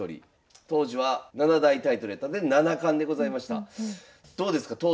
当時は７大タイトルやったんで七冠でございました。